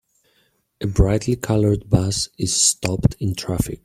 A brightly colored bus is stopped in traffic.